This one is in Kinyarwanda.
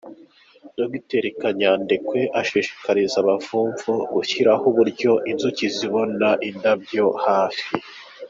Dr Kanyandekwe ashishikariza abavumvu gushyiraho uburyo inzuki zibona indabo hafi.